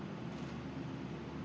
ini maksimal senin sudah bisa dioperasikan